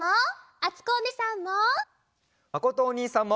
あつこおねえさんも！